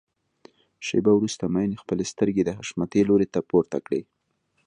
شېبه وروسته مينې خپلې سترګې د حشمتي لوري ته پورته کړې.